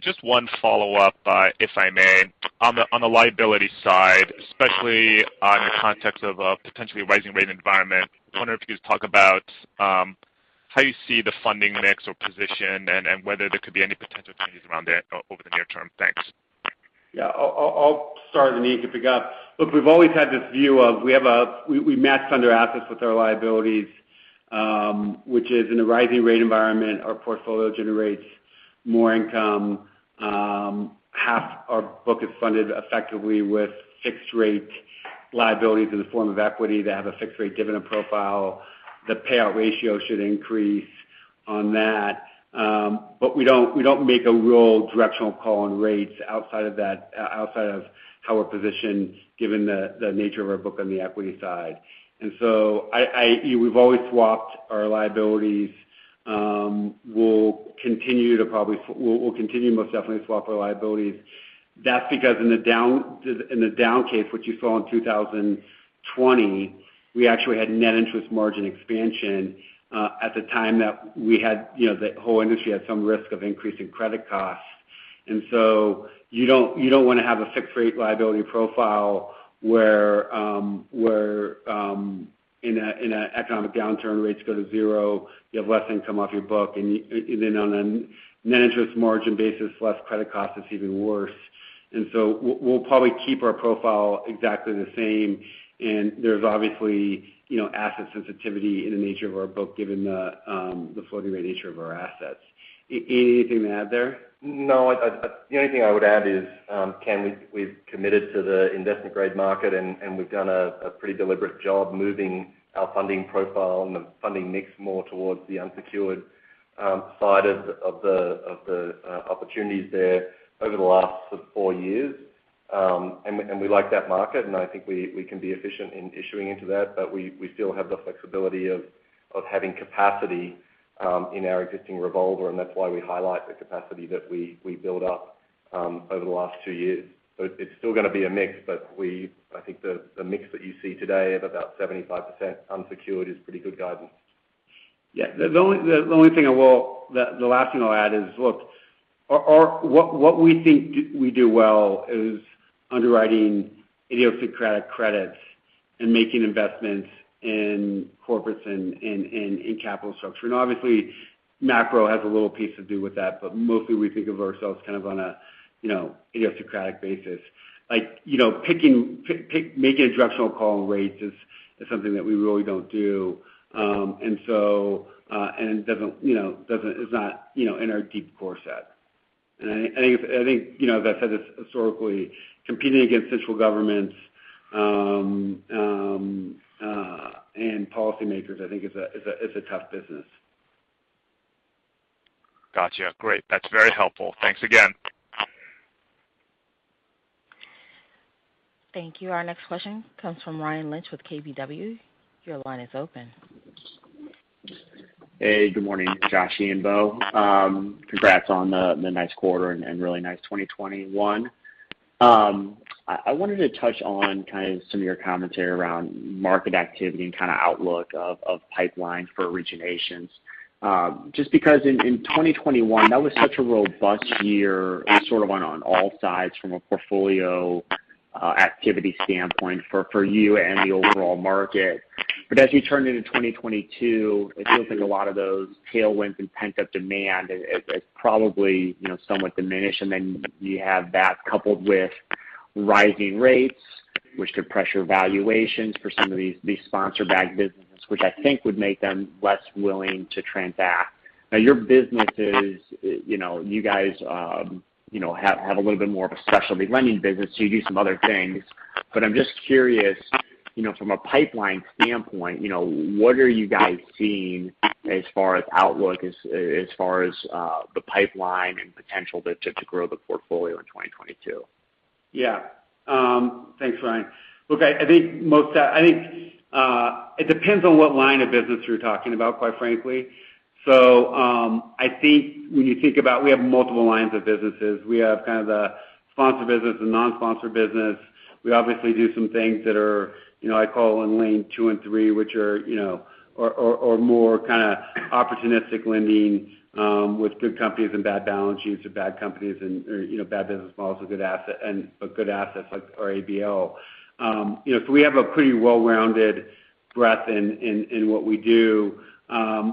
S9: Just one follow-up, if I may. On the liability side, especially in the context of a potentially rising rate environment, I wonder if you could just talk about how you see the funding mix or position and whether there could be any potential changes around there over the near term. Thanks.
S3: Yeah. I'll start and then Ian can pick up. Look, we've always had this view that we match fund our assets with our liabilities, which, in a rising rate environment, our portfolio generates more income. Half our book is funded effectively with fixed rate liabilities in the form of equity. They have a fixed rate dividend profile. The payout ratio should increase on that. But we don't make a real directional call on rates outside of that, outside of how we're positioned given the nature of our book on the equity side. We've always swapped our liabilities. We'll continue most definitely to swap our liabilities. That's because in the down case, which you saw in 2020, we actually had net interest margin expansion at the time that we had, you know, the whole industry had some risk of increasing credit costs. You don't wanna have a fixed-rate liability profile where in an economic downturn, rates go to zero, you have less income off your book, and then on a net interest margin basis, less credit cost is even worse. We'll probably keep our profile exactly the same. There's obviously, you know, asset sensitivity in the nature of our book, given the floating-rate nature of our assets. Anything to add there?
S5: No. I, the only thing I would add is, Ken, we've committed to the investment grade market, and we've done a pretty deliberate job moving our funding profile and the funding mix more towards the unsecured side of the opportunities there over the last four years. And we like that market, and I think we can be efficient in issuing into that. But we still have the flexibility of having capacity in our existing revolver, and that's why we highlight the capacity that we built up over the last two years. It's still gonna be a mix, but I think the mix that you see today of about 75% unsecured is pretty good guidance.
S3: The last thing I'll add is, look, what we think we do well is underwriting idiosyncratic credits and making investments in corporates and in capital structure. Obviously, macro has a little piece to do with that, but mostly we think of ourselves kind of on a, you know, idiosyncratic basis. Like, you know, making a directional call on rates is something that we really don't do. It doesn't, you know, it's not, you know, in our deep core set. I think, you know, that said, it's historically competing against central governments and policymakers, I think, is a tough business.
S9: Gotcha. Great. That's very helpful. Thanks again.
S1: Thank you. Our next question comes from Ryan Lynch with KBW. Your line is open.
S10: Hey, good morning, Josh, Ian, Bo. Congrats on the nice quarter and really nice 2021. I wanted to touch on kind of some of your commentary around market activity and kinda outlook of pipeline for originations. Just because in 2021, that was such a robust year, it sort of went on all sides from a portfolio activity standpoint for you and the overall market. As we turn into 2022, it feels like a lot of those tailwinds and pent-up demand is probably, you know, somewhat diminished. Then you have that coupled with rising rates, which could pressure valuations for some of these sponsor-backed businesses, which I think would make them less willing to transact. Now, your businesses, you know, you guys, you know, have a little bit more of a specialty lending business, so you do some other things. But I'm just curious, you know, from a pipeline standpoint, you know, what are you guys seeing as far as outlook, as far as the pipeline and potential to grow the portfolio in 2022?
S3: Thanks, Ryan. Look, I think it depends on what line of business you're talking about, quite frankly. I think when you think about we have multiple lines of businesses. We have kind of the sponsor business and non-sponsor business. We obviously do some things that are, you know, I call in lane two and three, which are, you know, or more kinda opportunistic lending, with good companies and bad balance sheets or bad companies and, or, you know, bad business models with good assets like our ABL. You know, we have a pretty well-rounded breadth in what we do.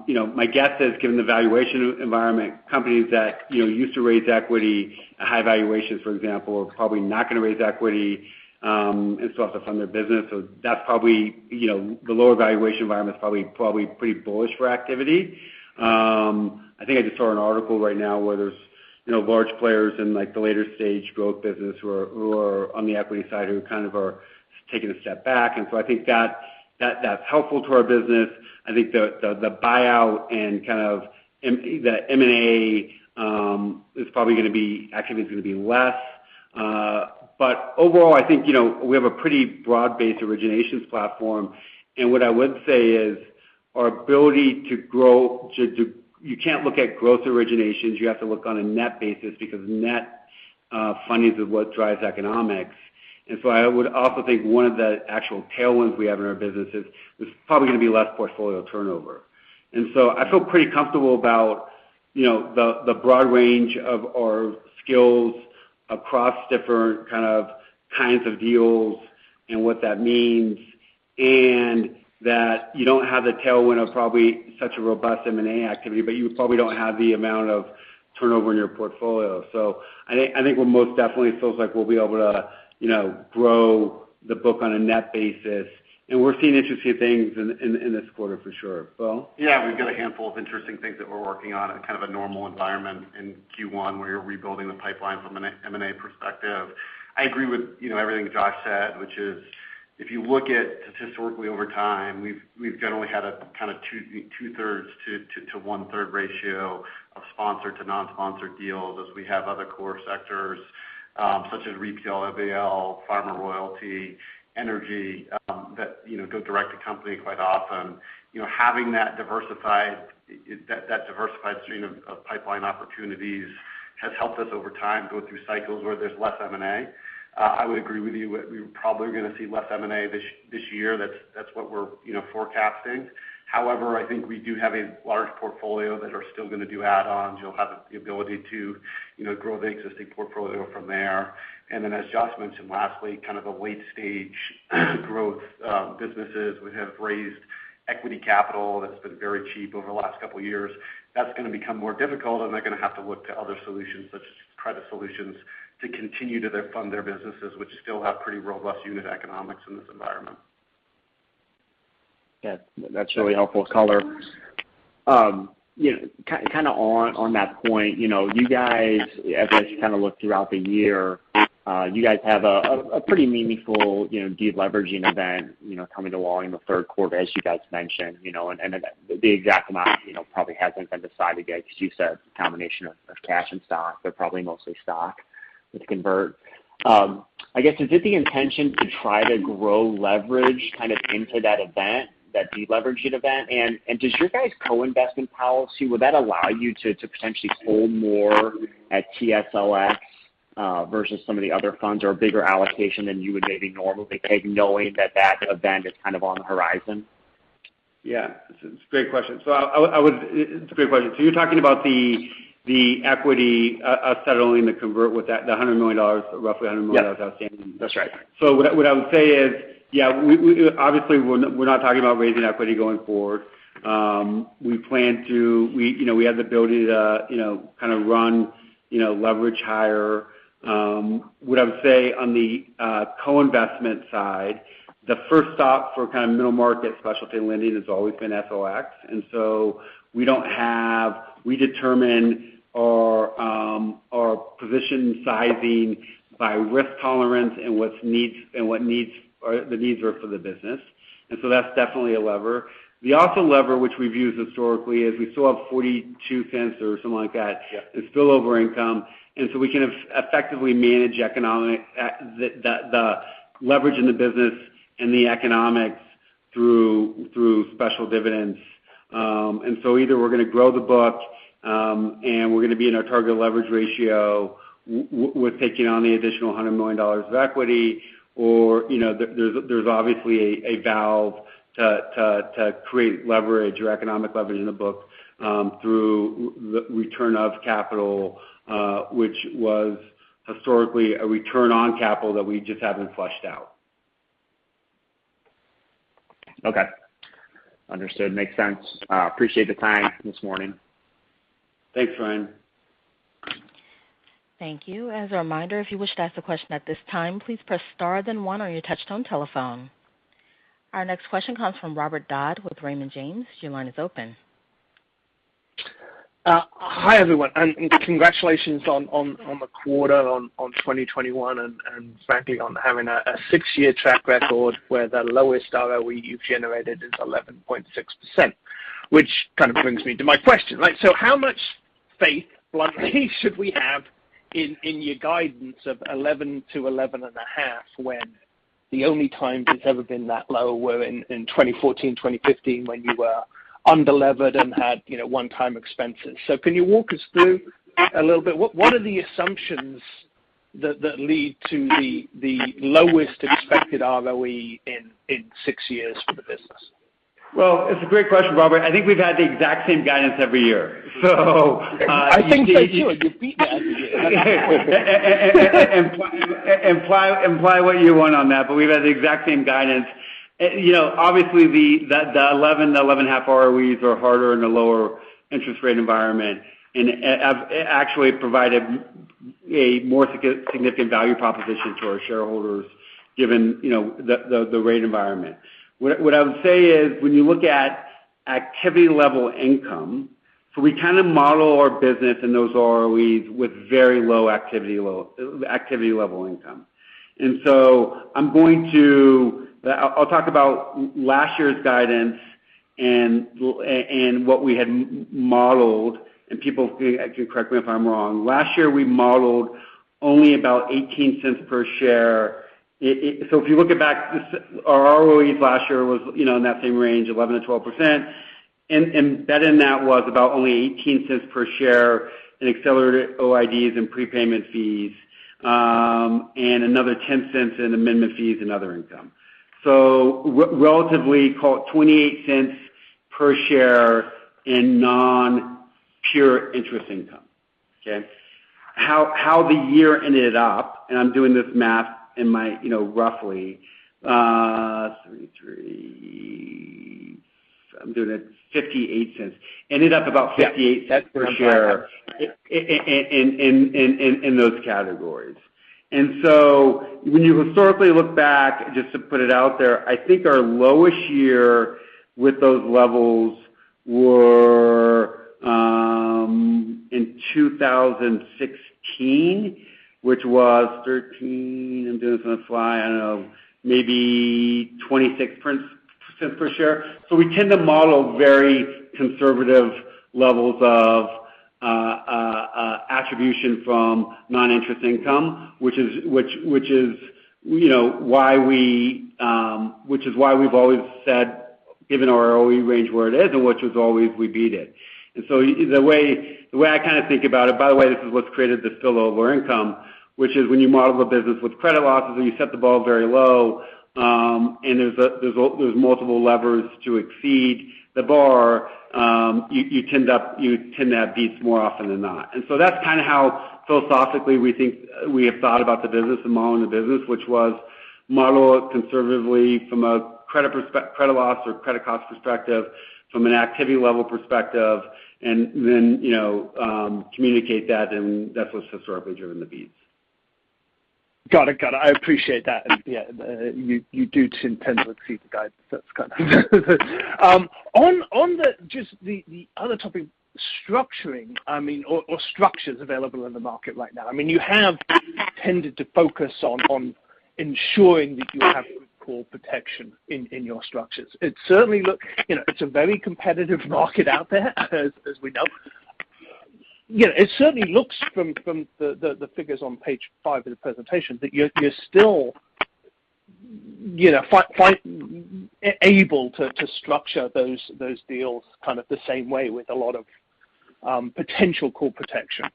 S3: You know, my guess is, given the valuation environment, companies that, you know, used to raise equity at high valuations, for example, are probably not gonna raise equity and still have to fund their business. That's probably, you know, the lower valuation environment is probably pretty bullish for activity. I think I just saw an article right now where there's, you know, large players in, like, the later stage growth business who are on the equity side, who kind of are taking a step back. I think that that's helpful to our business. I think the buyout and kind of the M&A activity is probably gonna be less. Overall, I think, you know, we have a pretty broad-based originations platform. What I would say is our ability to grow. You can't look at growth originations. You have to look on a net basis because net fundings is what drives economics. I would also think one of the actual tailwinds we have in our business is there's probably gonna be less portfolio turnover. I feel pretty comfortable about, you know, the broad range of our skills across different kinds of deals and what that means, and that you don't have the tailwind of probably such a robust M&A activity. You probably don't have the amount of turnover in your portfolio. I think we're most definitely feels like we'll be able to, you know, grow the book on a net basis. We're seeing interesting things in this quarter for sure. Bo?
S4: Yeah, we've got a handful of interesting things that we're working on in kind of a normal environment in Q1, where you're rebuilding the pipeline from an M&A perspective. I agree with, you know, everything Josh said, which is, if you look at historically over time, we've generally had a kind of two-thirds to one-third ratio of sponsor to non-sponsor deals as we have other core sectors, such as retail, ABL, pharma royalty, energy, that, you know, go direct to company quite often. You know, having that diversified stream of pipeline opportunities has helped us over time go through cycles where there's less M&A. I would agree with you. We probably are gonna see less M&A this year. That's what we're, you know, forecasting. However, I think we do have a large portfolio that are still gonna do add-ons. You'll have the ability to, you know, grow the existing portfolio from there. Then as Josh mentioned, lastly, kind of a late stage growth businesses. We have raised equity capital that's been very cheap over the last couple years. That's gonna become more difficult, and they're gonna have to look to other solutions, such as credit solutions, to fund their businesses, which still have pretty robust unit economics in this environment.
S10: Yeah. That's really helpful color. You know, kind of on that point, you know, you guys, as you kind of look throughout the year, you guys have a pretty meaningful deleveraging event, you know, coming in the third quarter, as you guys mentioned, you know. The exact amount, you know, probably hasn't been decided yet because you said a combination of cash and stock. They're probably mostly stock with convertibles. I guess, is it the intention to try to grow leverage kind of into that event, that deleveraging event? Does you guys' co-investment policy allow you to potentially hold more at TSLX versus some of the other funds or a bigger allocation than you would maybe normally take, knowing that that event is kind of on the horizon?
S3: Yeah. It's a great question. You're talking about the equity settling the convert with that, the roughly $100 million outstanding.
S10: That's right.
S3: What I would say is, yeah, we're not talking about raising equity going forward. We have the ability to, you know, kind of run leverage higher. What I would say on the co-investment side, the first stop for kind of middle market specialty lending has always been TSLX. We determine our position sizing by risk tolerance and what the needs are for the business. That's definitely a lever. The other lever which we've used historically is we still have $0.42 or something like that.
S10: Yeah
S3: In spillover income, we can effectively manage economic leverage in the business and the economics through special dividends. Either we're gonna grow the book and we're gonna be in our target leverage ratio with taking on the additional $100 million of equity. You know, there's obviously a valve to create leverage or economic leverage in the book through return of capital, which was historically a return on capital that we just haven't fleshed out.
S10: Okay. Understood. Makes sense. Appreciate the time this morning.
S3: Thanks, Ryan.
S1: Thank you. As a reminder, if you wish to ask a question at this time, please press star then one on your touchtone telephone. Our next question comes from Robert Dodd with Raymond James. Your line is open.
S11: Hi, everyone. Congratulations on the quarter, on 2021 and frankly on having a six-year track record where the lowest ROE you've generated is 11.6%, which kind of brings me to my question, right? How much faith, bluntly, should we have in your guidance of 11%-11.5%, when the only times it's ever been that low were in 2014, 2015, when you were underlevered and had, you know, one-time expenses? Can you walk us through a little bit? What are the assumptions that lead to the lowest expected ROE in six years for the business?
S3: Well, it's a great question, Robert. I think we've had the exact same guidance every year.
S11: I think so too, and you beat me every year.
S3: Imply what you want on that, but we've had the exact same guidance. You know, obviously, the 11%-11.5% ROEs are harder in a lower interest rate environment and have actually provided more significant value proposition to our shareholders given, you know, the rate environment. What I would say is, when you look at activity level income, so we kinda model our business and those ROEs with very low activity level income. So I'm going to. I'll talk about last year's guidance and what we had modeled, and people feel actually correct me if I'm wrong. Last year, we modeled only about $0.18 per share. It. So if you look back, our ROEs last year was, you know, in that same range, 11%-12%. Embedded in that was about only $0.18 per share in accelerated OIDs and prepayment fees, and another $0.10 in amendment fees and other income. Relatively, call it $0.28 per share in non-pure interest income. Okay. How the year ended up, I'm doing this math in my, roughly 33. I'm doing it $0.58, ended up about $0.58 per share in those categories. When you historically look back, just to put it out there, I think our lowest year with those levels were in 2016, which was 13. I'm doing this on the fly, I don't know, maybe 26 cents per share. We tend to model very conservative levels of attribution from non-interest income, which is, you know, why we've always said, given our OE range where it is and which was always we beat it. The way I kind of think about it, by the way, this is what's created this spillover income, which is when you model a business with credit losses and you set the bar very low, and there's multiple levers to exceed the bar, you tend to have beats more often than not. That's kind of how philosophically we think we've thought about the business and modeling the business. Which was modeled conservatively from a credit loss or credit cost perspective from an activity level perspective, and then, you know, communicate that, and that's what's historically driven the beats.
S11: Got it. I appreciate that. Yeah, you do tend to exceed the guidance. That's kind of on just the other topic, structuring, I mean, or structures available in the market right now. I mean, you have tended to focus on ensuring that you have good core protection in your structures. It certainly looks, you know, it's a very competitive market out there, as we know. You know, it certainly looks from the figures on page 5 of the presentation that you're still, you know, able to structure those deals kind of the same way with a lot of potential core protection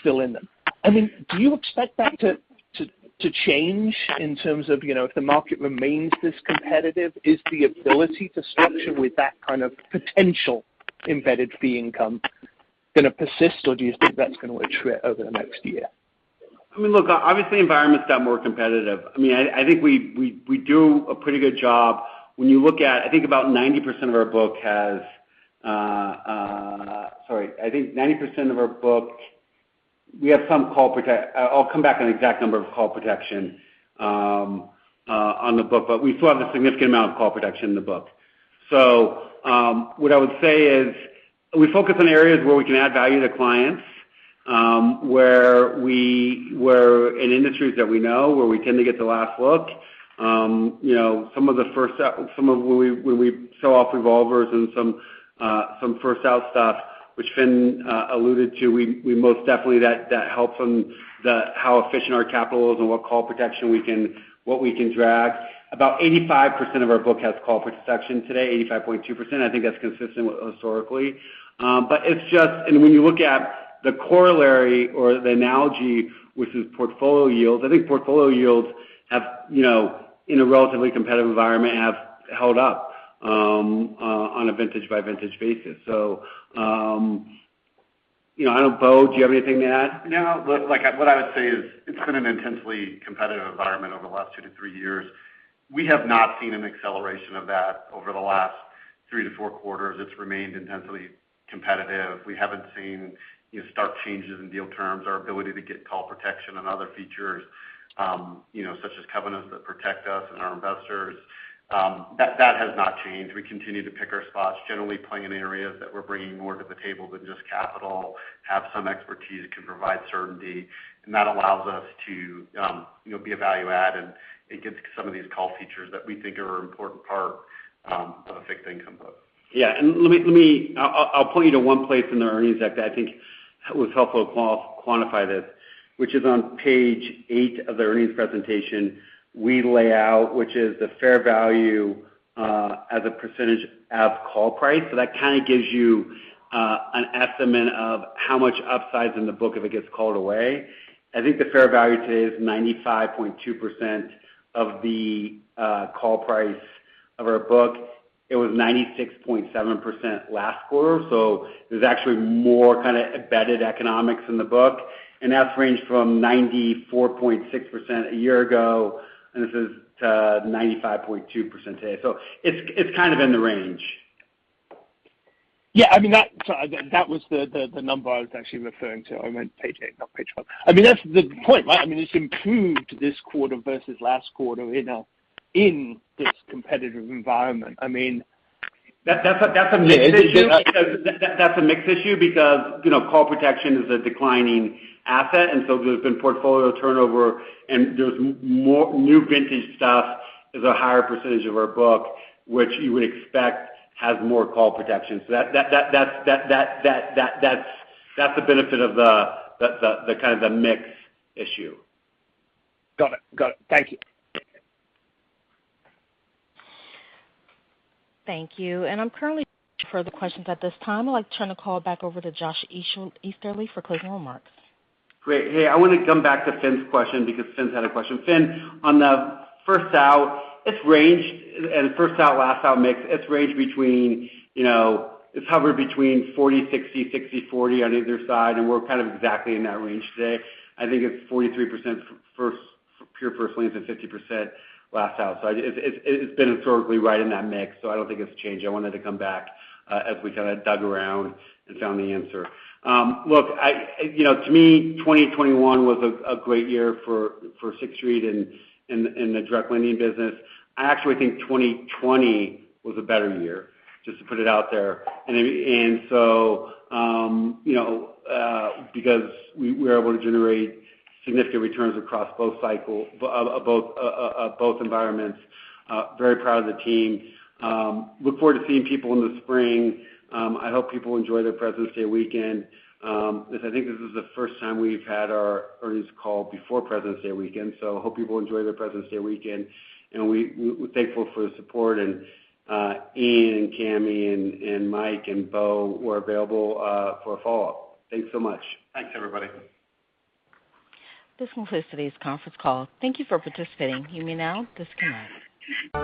S11: still in them. I mean, do you expect that to change in terms of, you know, if the market remains this competitive, is the ability to structure with that kind of potential embedded fee income going to persist or do you think that's going to attrit over the next year?
S3: I mean, look, obviously environment's gotten more competitive. I mean, I think we do a pretty good job. When you look at, I think about 90% of our book, we have some call protection. I'll come back on the exact number of call protection on the book, but we still have a significant amount of call protection in the book. What I would say is we focus on areas where we can add value to clients, where in industries that we know, where we tend to get the last look. You know, some of when we sell off revolvers and some first out stuff, which Finn alluded to, we most definitely that helps on how efficient our capital is and what call protection we can drag. About 85% of our book has call protection today, 85.2%. I think that's consistent historically. It's just when you look at the corollary or the analogy, which is portfolio yields, I think portfolio yields have, you know, in a relatively competitive environment, held up on a vintage by vintage basis. You know, I don't know, Bo, do you have anything to add?
S4: No. Look, like what I would say is it's been an intensely competitive environment over the last two to three years. We have not seen an acceleration of that over the last three to four quarters. It's remained intensely competitive. We haven't seen, you know, stark changes in deal terms, our ability to get call protection on other features, you know, such as covenants that protect us and our investors, that has not changed. We continue to pick our spots, generally playing in areas that we're bringing more to the table than just capital, have some expertise that can provide certainty, and that allows us to, you know, be a value add, and it gets some of these call features that we think are an important part of a fixed income book.
S3: Yeah. Let me point you to one place in the earnings deck that I think would be helpful to quantify this, which is on page 8 of the earnings presentation. We lay out the fair value as a percentage of call price. So that kind of gives you an estimate of how much upside is in the book if it gets called away. I think the fair value today is 95.2% of the call price of our book. It was 96.7% last quarter. So there's actually more kind of embedded economics in the book. That's ranged from 94.6% a year ago to 95.2% today. So it's kind of in the range.
S11: Yeah. I mean, that was the number I was actually referring to on page 8, not page 1. I mean, that's the point, right? I mean, it's improved this quarter versus last quarter, you know, in this competitive environment.
S3: That's a mix issue. That's a mix issue because, you know, call protection is a declining asset. There's been portfolio turnover and there's more new vintage stuff is a higher percentage of our book, which you would expect has more call protection. That's the benefit of the kind of mix issue.
S11: Got it. Thank you.
S1: Thank you. I'm showing no other questions at this time. I'd like to turn the call back over to Joshua Easterly for closing remarks.
S3: Great. Hey, I want to come back to Finn's question because Finn's had a question. Finn, on the first out, it's ranged, and first out, last out mix. It's hovered between 40-60, 60-40 on either side, and we're kind of exactly in that range today. I think it's 43% first, pure first liens and 50% last out. So it's been historically right in that mix, so I don't think it's changed. I wanted to come back as we kind of dug around and found the answer. Look, you know, to me, 2021 was a great year for Sixth Street in the direct lending business. I actually think 2020 was a better year, just to put it out there. Because we were able to generate significant returns across both environments. Very proud of the team. Look forward to seeing people in the spring. I hope people enjoy their Presidents' Day weekend. I think this is the first time we've had our earnings call before Presidents' Day weekend. I hope people enjoy their Presidents' Day weekend. We're thankful for the support. Ian and Cami and Mike and Bo, we're available for a follow-up. Thanks so much.
S4: Thanks, everybody.
S1: This concludes today's conference call. Thank you for participating. You may now disconnect.